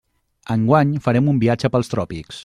Enguany farem un viatge pels tròpics.